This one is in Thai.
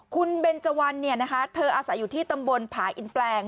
คุณเบนเจาันเนี่ยนะคะเธออาศัยอยู่ที่ตำบลผ่าอินแปลง